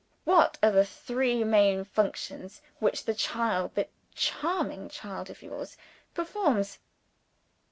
What are the three main functions which that child that charming child of yours performs?